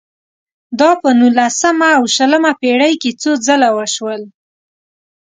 دا په نولسمه او شلمه پېړۍ کې څو ځله وشول.